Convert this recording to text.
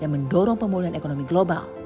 mendorong pemulihan ekonomi global